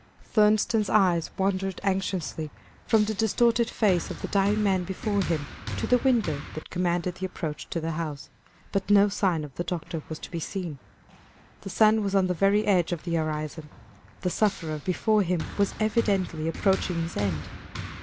Thurston's eyes wandered anxiously from the distorted face of the dying man before him, to the window that commanded the approach to the house. But no sign of the doctor was to be seen. The sun was on the very edge of the horizon. The sufferer before him was evidently approaching his end.